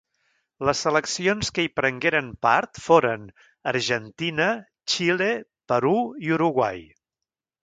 Les seleccions que hi prengueren part foren Argentina, Xile, Perú, i Uruguai.